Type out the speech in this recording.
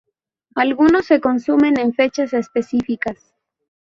Algunos se consumen en fechas específicas.